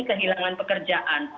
ini kehilangan pekerjaan